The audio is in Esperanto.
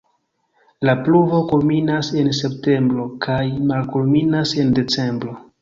La pluvo kulminas en septembro kaj malkulminas en decembro.